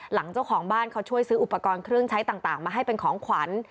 เจ้าของบ้านเขาช่วยซื้ออุปกรณ์เครื่องใช้ต่างมาให้เป็นของขวัญ